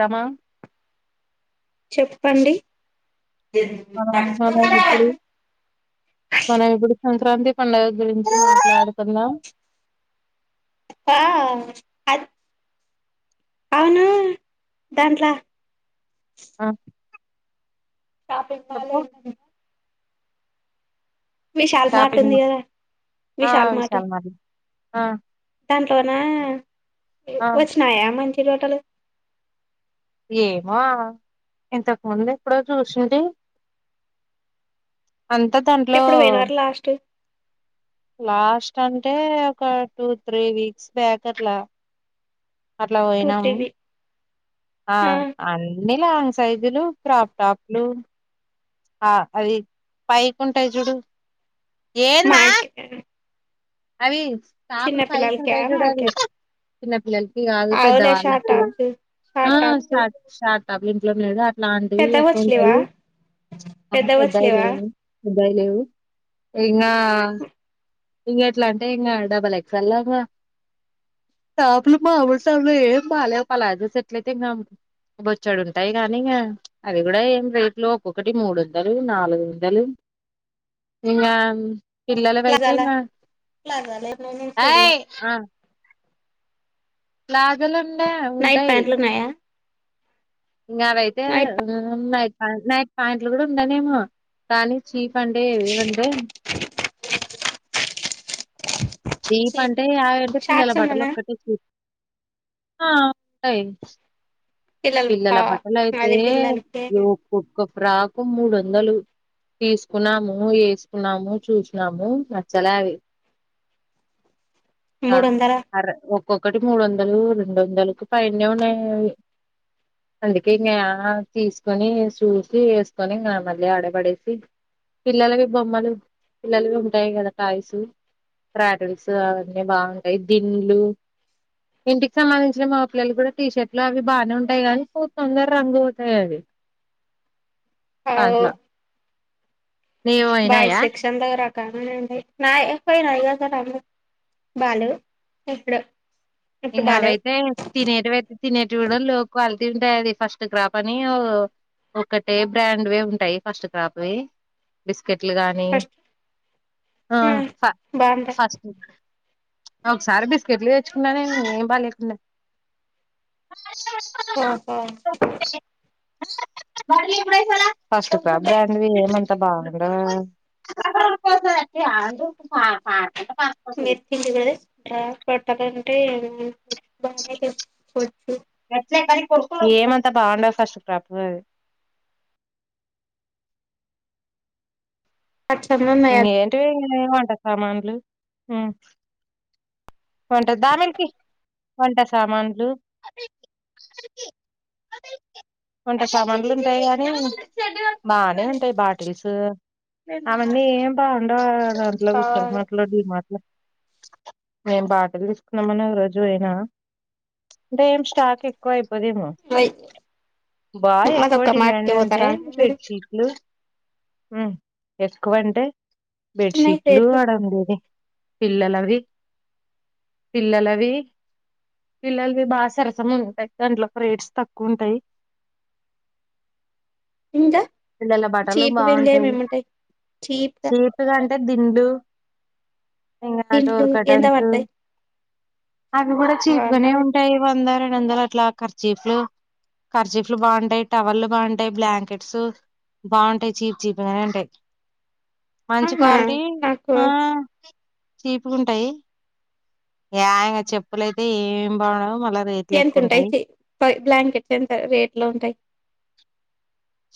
రమా చెప్పండి ఆ మనం ఇప్పుడు మనం ఇప్పుడు సం సుక్రాంతి పండగ గురించిడుతున్నా ఆ అది అవును దాంట్లో ఆ షాపింగ్ మాల్ చెప్పు ఎ విశాల షాపింగ్ మార్టందిద మాల్, ఆ విశాల మార్ట విశాల్ మార్ట్ ఆ దాంట్లోన ఆ వచ్చినాయా మంచి టోటలు ఏమో ఇంతకు ముందు ఎక్కడో చూసిడి అంతా దాంట్లో ఎప్పుడు పోయినారు లాస్ట్ లాస్ట్ అంటే ఒక టూ త్రీ వీక్స్ బ్యాక్ అట్లా అట్లా టూ త్రీ పోయినాము వీక్ ఆ అన్ని లాంగ్ సైజులు క్రాప్ టాప్లు ఆ అది పైకింటాయి చూడు ఏందమ్మా మాక అవి తపులు పైకి పిల్లలకా ఉంటాయి చూడలి మాకే చిన్న పిల్లలు కాదు అవులే షార్ట్ పెద్దవాళ్ళకి టాప్స్ షార్ట్ ఆష టాప్స్ షార్టాబ్ ఇంట్లోనేదు లాంటివి పెద్దగా ఎక్కడ వచ్చలేవా ఉంటాయి ఆ పెద్దగా పెద్దయి వచ్చలేవా ర ఎద లే ఎకా ఇంకా ఎట్లా అంటే ఇంకా డబల్ ఎక్సల్ గా పులు మామూలు స్పులు ఏం బాలేవు అలాజ స ఎట్ల అయితే కాము బొచ్చాడు ఉంటాయి కాని ఇంకా అది కూడా ఏం రేట్ లో ఒక్కొక్కటి మూడు వందలు నాలుగు వందలు ఇంకా పిల్లలకియితే ఇంకా ఇలా అలన్నషలే ప్లాజలుండ నైట్ ఉంటాయి ప్యాంట్లు ఉన్నాయా ఇంకా అవైతే నైట్ నైట్ నైట్ ప్యాంట్లు కూడా ఉండనే ఏమో కానీ చీప అండే ఏవ వండే చీప్ అంటే యావంటే పిల్లల షార్ట్స్ బట్టలు ఉన్నానా ఒక్కటే చీప్ యి పిల్లలు పిల్లల ఆ బట్టల అయితే అది పిల్లలకి ఒక్కప్పు రాకు మూడు వందలు తీసుకున్నాము వేసుకున్నాము చూసినము నచ్చలేవి మూడు వందల అరఓకే ఒక్కొక్కటి మూడు వందలు రెండు వందలకు పనే ఉన్నాయి అందుకే ఇంకా తీసుకొని చూసి వేసుకొని ఇంకా మళ్ళీ ఆడబడేసి పిల్లలవి బొమ్మలు పిల్లలువి ఉంటాయి కదా కాయసు ట్రాటిల్స్ అవన్నీ బాగుంటాయి దింలు ఇంటికి సంబంధించిన మాపిల్లలు కూడా టీషర్ట్లు అవి బాగానే ఉయి ఉంటాయి కానీ పో తొందర రంగు అతాయి అది థ్యాక్లా బైస్ సెక్క్షన్ దగ్గర నండి నా ఎపోయినాయి కద రామ్ము బాలు ఎప్పుడ ఇంకా అవైతే తినేటీవయితే తినేవి కూడా లోక్వళ తింటాయి అది ఫస్ట్ క్రాప అనిఓ ఒకటే బ్రాండ్వి ఉంటాయి ఫస్ట్ క్రాప్వి బిస్ పకెట్లు గానీ ఫస్ట్ ఉమ్ ఫ బాగుంటాయి ఫస్ట్ ఒకసారి బిస్కెట్లు తెచ్చుకున్నా నేను ఏం బాగాలేకుండా ఓహో ఫస్ట్ బ్రాండ్వి ఏమంతా బాగుందా అ మర్ తిీ చ పంట బ ప ఏమంతా బాగుండదు ఫస్ట్ ప్ర్రాప్ అది స సన్నాన్నాయా ఏమంట సామాన్లు వంట దామకి వంట సామాన్లు అదే వంట సమాన్లు ఉంటాయి కాని బానే ఉంటాయి బాటిల్స్ అవన్నీ ఏం బాగుండవు దాంట్లో ఆ విశాల్ మాట్లో మాటలో మేం బాటలు తీసుకున్నామని ఒక రోజు అయినా అంటే ఏ స్టాక్ ఎక్కువ అయిపో సదేమ బా ఎక్కువ అదొక్క మాటకి డిమాండ్ అంటే పోతారా మీరు బెడ్షీట్లు ఎక్కువంటే ఉన్నాయి బెడ్షీట్లు రేట్లు ఆడండిని పిల్లలవి పిల్లలవి పిల్లలవి బాగా సరసం ఉంటాయి దాంట్లో ఒక రేట్స్ తక్కువ ఉంటాయి ఇంకా పిల్లల బట్టలు చీపుగా బాగుంటాయి ఇంకేమేమి ఉంటాయి చీప్గా చేపు కంటే దిండు ఎంగా టడోర్ కటర్ పట్టే అవి కూడా చీప్గానే ఉంటాయి వంద రెండు వందలు అట్లా ఖర్చీపులు కఖర్చీపులు బాగుంటాయి టవళ్ళుబాగుంటాయి బ్లాంకెట్స్ బాగుంటాయి చీప్ చీప్గానే ఉంటాయి మంచి అవునా క్వాలిటీ నాకు ఆ చీపుగా ఉంటాయి ఏయంగా చెప్పులయితే ఏమిమి బాడంవు ఎంత ఉంటాయి బ్లాంకెట్స్ ఎంత రేట్ లో ఉంటాయి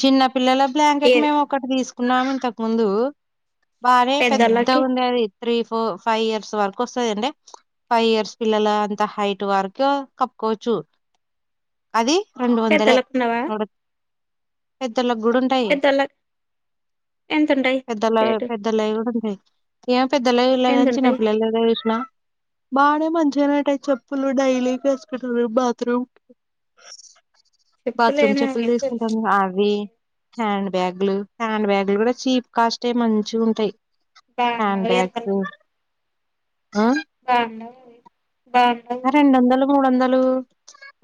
చిన్న పిల్లల బ్లాంకెట్ ఏది మేము ఒకటి తీసుకున్నాం ఇంతకు ముందు బానే పెద్ద పెద్దోళ్ళకి ఉండే అది త్రీ ఫోర్ ఫైవ్ ఇయర్స్ వరకు వస్తందిండి ఫైవ్ ఇయర్స్ పిల్లల అంత హైట్ వరకు కోచూ అది రెండు వందర పెద్దోళ్ళకి ఉండవా నడ పెద్దలకు కూడా ఉంటాయి పెద్దోళ్ళకి ఎంతుంటాయి పెద్దల రేటు పెద్దలువి కూడా ఉంటాయి ఏం పెద్దల ఇళ్ళగా చిన్న ఎంతుంటాయి పిల్ల ఏద వష్ిన బాగానే మంచిగానే ఉట్టాయి చెప్పులు డైలీకి వేసుకుంటారు బాత్రూమ్ బాథరూమ్ చెప్పులేమో పుల్ ఆ హ్యాండ్ బ్యాగ్లు హ్యాండ్ బ్యాగలు కూడా చీప్ కాస్ట్ మంచి ఉంటాయి హ్యాండ్ బాగుండవు బ్యాగ్ లు ఎరుకలవి రెండు [unintelligible] వందలు మూడు వందలు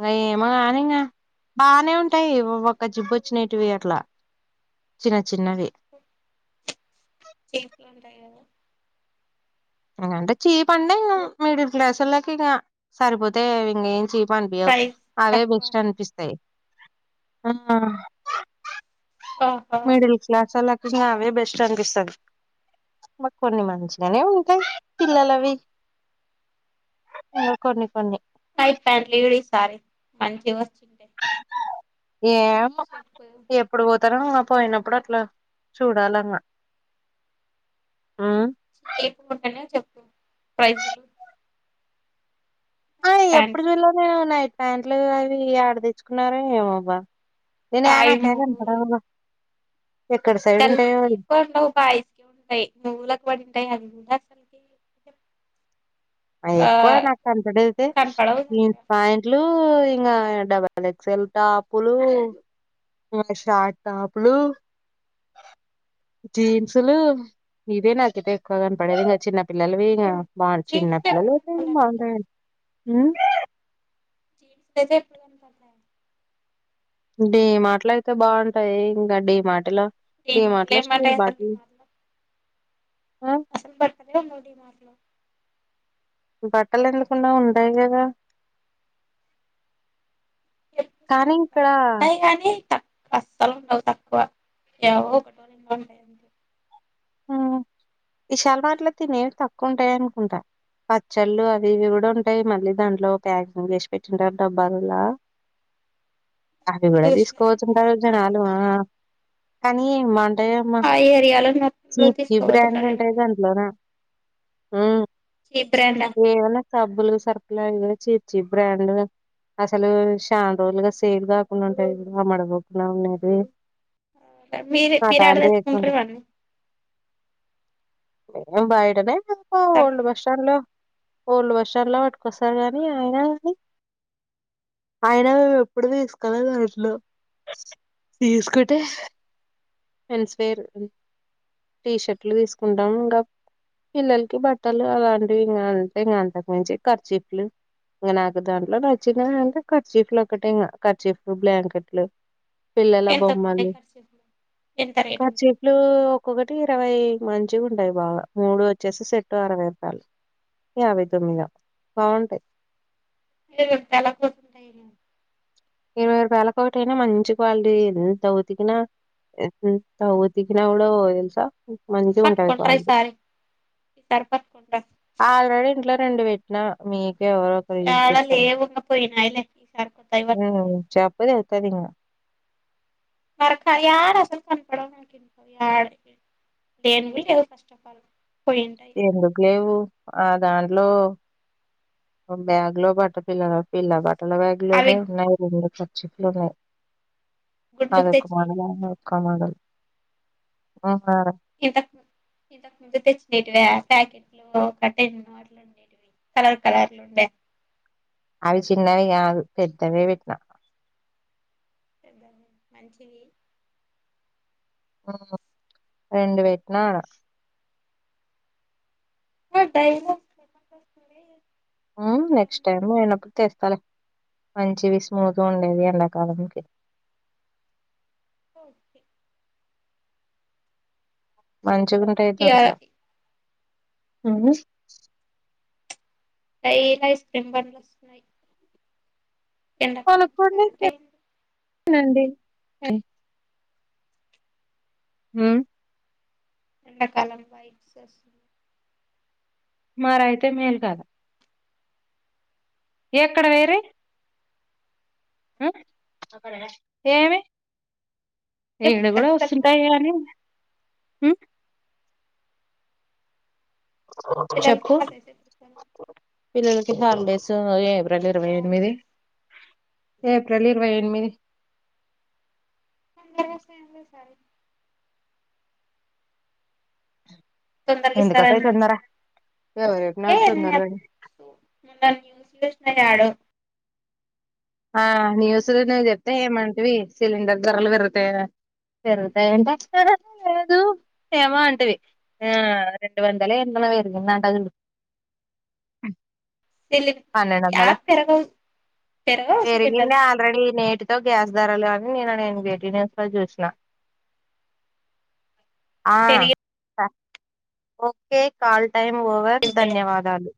అ ఏమ కాని ఇంకా బానే ఉంటాయి ఒక జిప్ వచ్చినేటివి అట్లా చిన్న చిన్నవి [unintelligible] ఉంటాయి కదా ఎకంటే చీప అడి ఇంకా మ మీడిల్ క్లాస్లకి ఇంకా సరిపోతే ఇంకాం చీప్ ని బి ప్రైస్ అవే తక్కువ బెస్ట్ అనిపిస్తాయి ఓహో మిడిల్ క్లాస్ వాళ్లకి నావే బెస్ట్ అనిపిస్తుంది మాకు కొన్ని మంచిగానే ఉంటాయి పిల్లలవి కొన్ని కొన్ని అ పన్లీ వ సారి మంచించి వస్ చింట ఏం ఎప్పుడు అత్తరంగా పోయినప్పుడు అట్లా చూడాలంగా చేపు ఉంటనే చెప్తా ప్రైజ్లు ఆ ఎప్పుడు ప్యాంట్స్ కి చూల్లో నేను నైట్ ప్యాంట్లు అవి ఆడ తెచ్చుకున్నార ఏమోబ్బా త న ఆనా అవి కద బ గల్కి ఎవు బాస్ంటయి నూల ఒక పడింటయి అూ [inaudible] ఎక్కువ నాకు అంతడైతే కనపడవు సరిగా పాయింట్లు ఇంకా డబల్ ఎక్స్ల్ టాపులు మ షార్ట్ టప్పుడు జీన్సులు ఇవే నాకతే ఎక్కువ కనపడేది ఇంకా చిన్న పిల్లలవి ఇంకా బాగు జీన్స్ ఎప్పుడు చిన్నపిిల్లలు కనపడలే నాకు బాగుంటాయండి ఎప్పుడు డీ మాటలు అయితే బాగుంటాయి ఇంకా డీ మాటిలో నేం డిమార్ట్ లో అట్లా స్టలు ఏమంటాయి అసలు బటి డిమార్ట్ లో అసలు బర్తనే మూడి మట్లో బట్టలు ఎళ్కుండా ఉండయి కదా కానీ ఇక్కడ ఉంటాయి కాగానీ ఎ అస్సలు ఉండవు తక్కువ ఎవో ఒక ఉంటయి ఈశాలమట్ల తిినేమి తక్కువ ఉంటాయి అనుకుంటా పచ్చళ్ళు అవి ఇవి కూడా ఉంటాయి మళ్ళీ దాంట్లో ప్యాకింగ్ చేసి పెట్టింటారు డబ్బాలులా అవి కూడా చూసిన తీసుకోవచ్చుంటారు జనాలు కానీ మంట ఆ ఏరియాాల ఇ బ్రాండ్ ఉంటాయి దాంట్లోనా సిబ్రనా సబ్బులు సర్కులా చీర్చీ బ్రాండ్గా అసలు శాంత రోజులుగా సేడ్ కాకుండా ఉంటాయి ఆమ్మడ పోకుండా ఉండది మీరు మీరు ఆడ తెచ్చుకుంటారు ఇవీ ఏ బైడనే సరుకులు ఓల్డ్ బస్ స్టాలో ఓళ వర్షన్లా పట్టుకొస్తారు గానీ అయనా కానీ ఆయన మే ఎప్పుడు తీసుకెల దానింట్లో తీసుకుటే ఇన్స్పైర్ టీషర్ట్లు తీసుకుంటాం ఇంకా పిల్లలకి బట్టలు అలాంటివి ఇకా అంటే ఇంకా అంతకు మించంచి ఖర్చీపులు ఇంక నాకు దాంట్లో నచ్చిన అంటే కర్చీఫ్లు ఒకటిే ఇంకా కర్చీఫ్లు బ్లాంకెట్లు పిల్లల ఎంతకుంటాయి బొమ్మలు ఖర్చులు ఎంత రేటు కార్చేపులు ఒక్కొక్కటి ఇరవై మంచిగా ఉండయి బాగా మూడు వచ్చేసి సెట్టు అరవై రూపాయలు ఈ అ వి తమిలా బావుంటాయి అ ఎలా కోసంంటయ ఇరవైపాయలలకు ఒకటిైనా మంచి క్వాలిటీ ఎౌతికిిన ఎత ఉతికిన ఫోవు మంచి ఉంటంది పట్టుకుంటార వాళ ఈసారి ఈసారి పట్టుకుంటార ఆల్రెడీ ఇంట్లో ఫ్రెండ్ పెట్టి మీకు ఎవరో ఒకరు యూజ్ చళ చేస్తారు లేవుంగా పోయినాయి సార్కుతా ఇవాట్ ఆ చెప్పు తెగుతది ఇంకా మరక్క యాడ అసలు కనపడవ్ [unintelligible] ఏంటి ఫస్ట్ఫ ఆల్ పోయింటాయి ఎందుకు లేవు ఆ దాంట్లో బ్యాగ్ లో పట్ట పిల్లలు పిల్ల బట్ట కట్టల బ్యాగ్ లోనే అవి ఉన్నాయి రెండు కర్చీప్లు ఉన్నాయి గుండుకు అదొక్క తెచ్చినటివి మోడల్ అద్దొక్కా మోడల్ ఆ ఆ ఇంతకు ము ఇంతకు ముందు తెచ్చినటీవా ప్యాకెట్లు ఒకటె మోడల్ కలర్ కలర్లు ఉండ అవి చిన్నవి కాదు పెద్దవే పెట్టినా పెద్దవ మంచివి ఉమ్ రెండు పెట్టిన ఆడ మళ్ళీ డైలీ [unintelligible] ఉమ్ ఊర్ల నెక్స్ట్ టైమ్ నేనొకటి తెస్తాలే మంచివి స్మూత్గా ఉండేది ఎండాకాలంకి ఓకే మంచిగుంటయి ఇగ దాంట్లో డైలీ ఐస్క్రీమ్ బండిలు వస్తున్నాయి ఎండాకాలం స్టార్ట్ కొనుకునేకి అయింది అండి ఉమ్ ఎండకాలంలో ఐస్ వస్తున్నాయి మరయితే మేల్ కదా ఎక్కడ పేరీ ఉమ్ ఏమి ఇడ ఎప్పుడు కూడా ఇస్తారు పిల్లలకి వస్తుంటాయి కానీ హాలిడేస్ ఉమ్ పిల్లలకి చెప్పు హాలిడేస్ ఎప్పుడు ఇస్తారు పిల్లలకి హాలిడేస్ లేవ్ ప్రజరు ఎనిమిది హాలిడేస్ ఏప్రిల్ ఇరవై ఎనిమిది పండగ వస్తుంటాయండి ఈసారి తొందరకి ఎందుకు వస్తాయి ఇస్తారండి తొందర ఎవరు అంటే చెప్పినారు నేను తొందరగా అని ఎపు నిన్న న్యూస్ లో చూసినండి యాడో ఆ న్యూస్ వినది చెప్తే ఏమంటవి సిలిండర్ ధరలు పెరుతాయి కదా పెరుగుతాయి అంటే ఆహా లేదు ఏమో అంటివి ఆ రెండ వందల్లో ఎంతో పెరిగిందట చూడు సిలిండర్ యా పన్నెండవందల పెరగవు పెరగవు సిలిండర్ పెరుగిన్ది ఆల్రెడీ నే టితో గ్యాస్ ధరలు అని నిన్న నేను వేటి న్యూస్ లో చూసిన ఆ పెరిగే ఓకే కల్ టైమ్ మూవోవర్ ఉంటాయి ధన్యవాదాలు